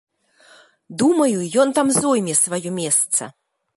Думаю, ён там зойме сваё месца.